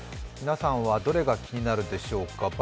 皆さんは、どれが気になるでしょうか。